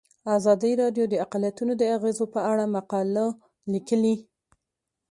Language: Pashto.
ازادي راډیو د اقلیتونه د اغیزو په اړه مقالو لیکلي.